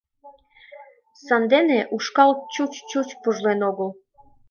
Сандене ушкал чуч-чуч пужлен огыл.